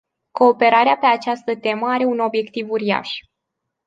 Cooperarea pe această temă are un obiectiv uriaș.